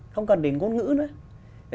không cần đến ngôn ngữ nữa